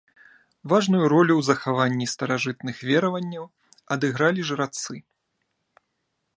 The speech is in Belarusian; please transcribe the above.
Важную ролю ў захаванні старажытных вераванняў адыгралі жрацы.